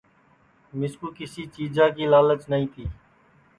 مِسکُو کسی چیجا کی لالچ نائی تی